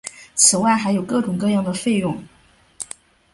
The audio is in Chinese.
此外还有各种各样的费用。